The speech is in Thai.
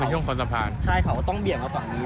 เป็นช่วงพอสะพานใช่เขาก็ต้องเบียกมาฝั่งนี้